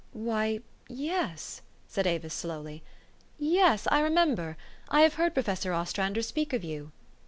" Why yes," said Avis slowty, "yes, I remem ber. I have heard Professor Ostrander speak of you."